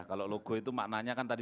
kalau logo itu maknanya kan tadi